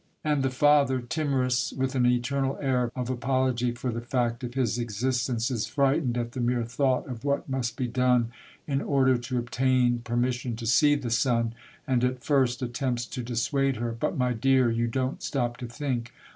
And the father, timorous, with an eternal air of apology for the fact of his existence, is frightened at the mere thought of what must be done in order 38 Monday Tales, to obtain permission to see the son, and at first attempts to dissuade her. " But, my dear, you don't stop to think